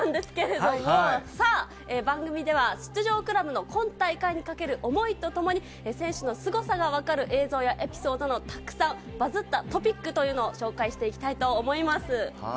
番組では出場クラブの今大会にかける思いとともに選手のすごさが分かる映像やエピソードもたくさんＢＵＺＺったＴＯＰＩＣというのを紹介していきたいと思います。